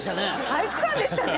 体育館でしたね。